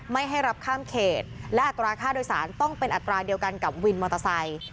ไม่ให้รับข้ามเขตและอัตราค่าโดยสารต้องเป็นอัตราเดียวกันกับวินมอเตอร์ไซค์